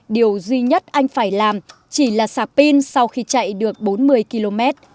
điều duy nhất anh phải làm chỉ là sạp pin sau khi chạy được bốn mươi km